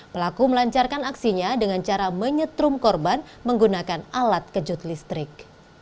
pelaku melancarkan aksinya dengan cara menyetrum korban menggunakan alat kejut listrik